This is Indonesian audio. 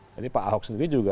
jadi pak ahok sendiri juga